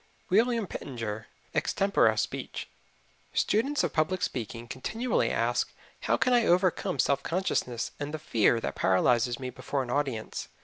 WILLIAM PITTENGER, Extempore Speech. Students of public speaking continually ask, "How can I overcome self consciousness and the fear that paralyzes me before an audience?"